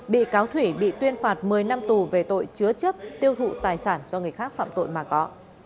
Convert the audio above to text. bị cáo thủy bị tuyên phạt một mươi năm tù về tội chứa chấp tiêu thụ tài sản do người khác phạm tội mà có